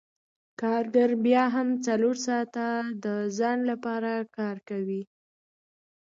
کارګر بیا هم څلور ساعته د ځان لپاره کار کوي